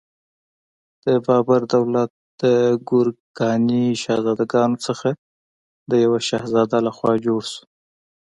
د بابر دولت د ګورکاني شهزادګانو څخه د یوه شهزاده لخوا جوړ شو.